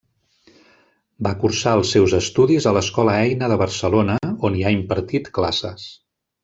Va cursar els seus estudis a l'Escola Eina de Barcelona, on hi ha impartit classes.